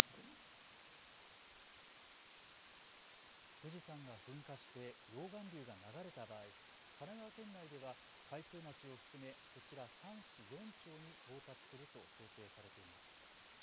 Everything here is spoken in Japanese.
富士山が噴火して溶岩流が流れた場合、神奈川県内では開成町を含めこちら３市４町に到達すると想定されています。